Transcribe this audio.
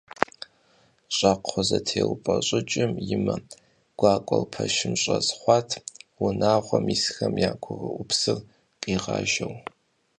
Щӏакхъуэзэтеупӏэщӏыкӏым и мэ гуакӏуэр пэшым щӏэз хъуат, унагъуэм исхэм я гурыӏупсыр къигъажэу.